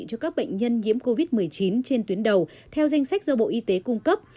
cho các bệnh nhân nhiễm covid một mươi chín trên tuyến đầu theo danh sách do bộ y tế cung cấp